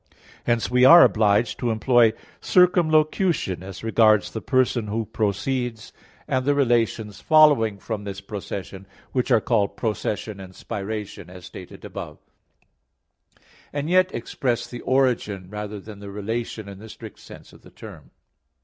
Hence, we are obliged to employ circumlocution as regards the person Who proceeds, and the relations following from this procession which are called "procession" and "spiration," as stated above (Q. 27, A. 4, ad 3), and yet express the origin rather than the relation in the strict sense of the term.